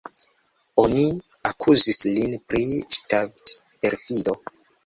Oni akuzis lin pri ŝtatperfido.